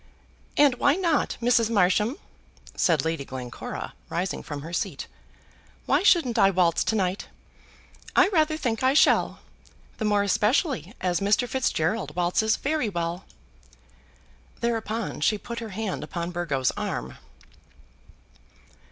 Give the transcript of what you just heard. "And why not, Mrs. Marsham?" said Lady Glencora rising from her seat. "Why shouldn't I waltz to night? I rather think I shall, the more especially as Mr. Fitzgerald waltzes very well." Thereupon she put her hand upon Burgo's arm.